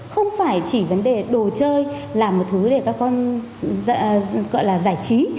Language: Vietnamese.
không phải chỉ vấn đề đồ chơi là một thứ để các con gọi là giải trí